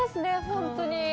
本当に。